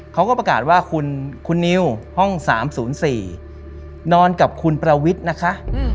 เขาก็ประกาศว่าคุณนิวห้อง๓๐๔นอนกับคุณประวิทย์นะคะ